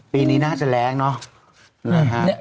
ปีนี้น่าจะแรงเนอะ